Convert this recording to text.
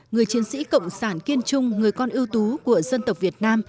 người chiến sĩ cộng sản kiên trung người con ưu tú của dân tộc việt nam